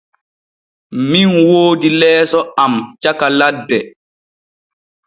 Min woodi leeso am caka ladde.